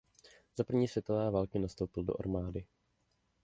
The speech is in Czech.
Za první světové války nastoupil do armády.